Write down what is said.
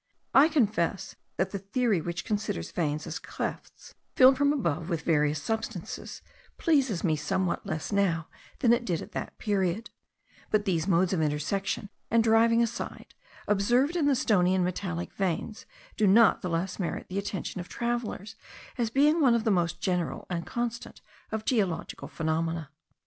I confess that the theory which considers veins as clefts filled from above with various substances, pleases me somewhat less now than it did at that period; but these modes of intersection and driving aside, observed in the stony and metallic veins, do not the less merit the attention of travellers as being one of the most general and constant of geological phenomena.